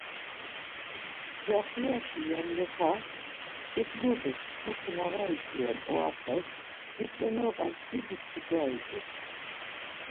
Yaxiyaşi Yemlixa, ǩitluğis, mutu na var idziren orapes, Vitzenoğas didi tucari t̆u.